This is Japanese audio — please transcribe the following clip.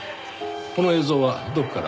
この映像はどこから？